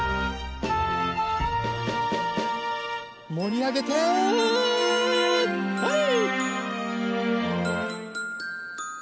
もりあげてはい。